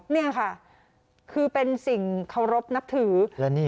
นี่ค่ะคือเป็นสิ่งเคารพนับถือ